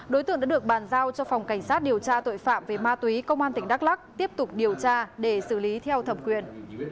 đối tượng đã được bàn giao cho phòng cảnh sát điều tra tội phạm về ma túy công an tỉnh đắk lắc tiếp tục điều tra để xử lý theo thẩm quyền